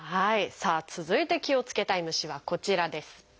さあ続いて気をつけたい虫はこちらです。